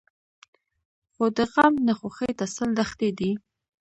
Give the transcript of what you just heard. خو د غم نه خوښۍ ته سل دښتې دي.